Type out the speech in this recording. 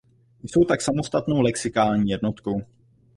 Jsou tak samostatnou lexikální jednotkou.